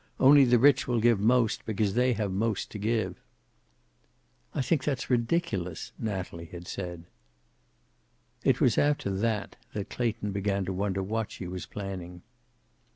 Only the rich will give most, because they have most to give." "I think that's ridiculous," Natalie had said. It was after that that Clayton began to wonder what she was planning.